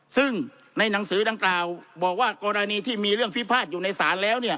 ซึ่งในหนังสือดังกล่าวบอกว่ากรณีที่มีเรื่องพิพาทอยู่ในศาลแล้ว